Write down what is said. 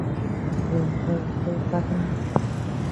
সে হইতেই পারে না।